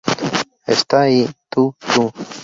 ¡ Está ahí! Tú... tú...